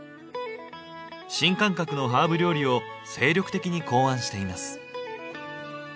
新感覚のハーブ料理を精力的に考案しています。